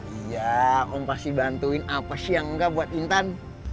iya om pasti bantuin apa sih yang enggak buat intan